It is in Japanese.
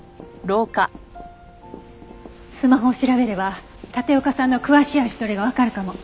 スマホを調べれば立岡さんの詳しい足取りがわかるかも。